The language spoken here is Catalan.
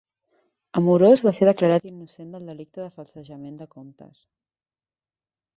Amorós va ser declarat innocent del delicte de falsejament de comptes